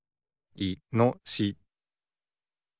いのしし。